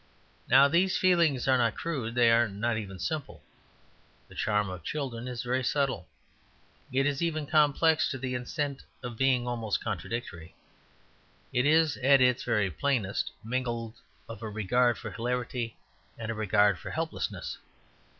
Now, these feelings are not crude; they are not even simple. The charm of children is very subtle; it is even complex, to the extent of being almost contradictory. It is, at its very plainest, mingled of a regard for hilarity and a regard for helplessness.